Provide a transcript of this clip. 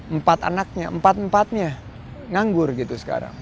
empat anaknya empat empatnya nganggur gitu sekarang